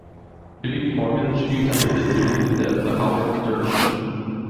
Billy Corgan spielte eine Version in der "The Howard Stern Show".